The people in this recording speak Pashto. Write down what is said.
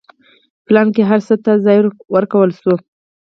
پلان کې هر څه ته ځای ورکړل شوی و.